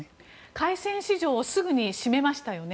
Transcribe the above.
海鮮市場をすぐに閉めましたよね。